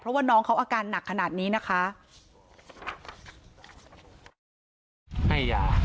เพราะว่าน้องเขาอาการหนักขนาดนี้นะคะ